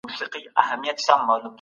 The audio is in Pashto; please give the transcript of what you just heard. پانګونه د تجارانو له خوا کېږي.